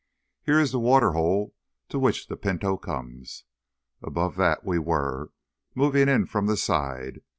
"Here is the water hole to which the Pinto comes. Above that we were—moving in from this side.